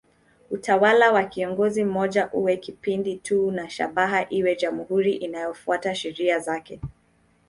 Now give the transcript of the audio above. Utawala wa kiongozi mmoja uwe kipindi tu na shabaha iwe jamhuri inayofuata sheria zake.